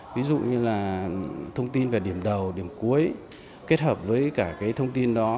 ví dụ như là thông tin về điểm đầu điểm cuối kết hợp với cả cái thông tin đó